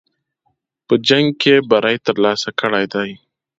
په جنګ کې بری ترلاسه کړی دی.